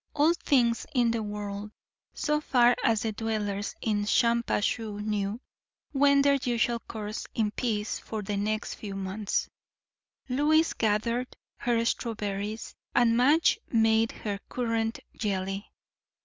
All things in the world, so far as the dwellers in Shampuashuh knew, went their usual course in peace for the next few months. Lois gathered her strawberries, and Madge made her currant jelly.